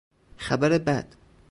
خبر بد